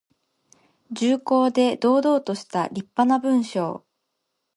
重厚で堂々としたりっぱな文章。